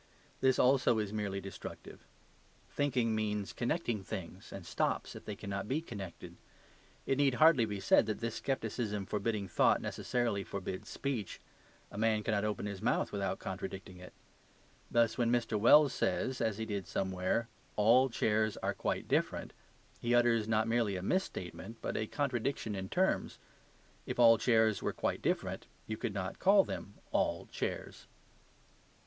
This also is merely destructive. Thinking means connecting things, and stops if they cannot be connected. It need hardly be said that this scepticism forbidding thought necessarily forbids speech; a man cannot open his mouth without contradicting it. Thus when Mr. Wells says (as he did somewhere), "All chairs are quite different," he utters not merely a misstatement, but a contradiction in terms. If all chairs were quite different, you could not call them "all chairs."